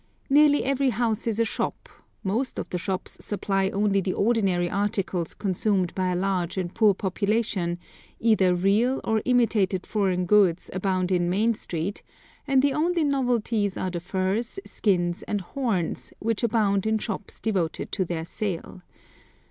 Nearly every house is a shop; most of the shops supply only the ordinary articles consumed by a large and poor population; either real or imitated foreign goods abound in Main Street, and the only novelties are the furs, skins, and horns, which abound in shops devoted to their sale.